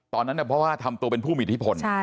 ตอนนั้นเพราะว่าทำตัวเป็นผู้มีอิทธิพล